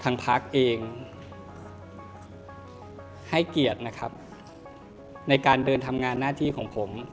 ทางพรรคเองให้เกียจในการเดินทำงานหน้าที่ของผม